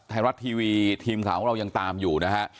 ไทยรัฐทีวีทีมข่าวของเรายังตามอยู่นะฮะ